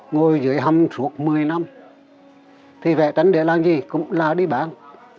ngồi dưới hầm suốt một mươi năm thì vẽ tranh để làm gì cũng là đi bán